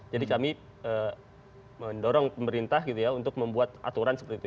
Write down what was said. jadi kami mendorong pemerintah gitu ya untuk membuat aturan seperti itu